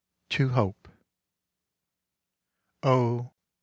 TO HOPE. Oh!